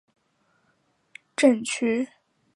伊登镇区为美国堪萨斯州索姆奈县辖下的镇区。